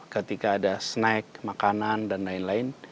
ketika ada snack makanan dan lain lain